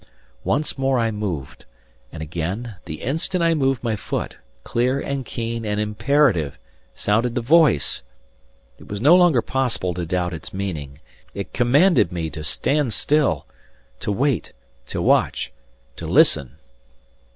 Once more I moved, and again, the instant I moved my foot, clear, and keen, and imperative, sounded the voice! It was no longer possible to doubt its meaning. It commanded me to stand still to wait to watch to listen!